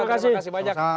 terima kasih banyak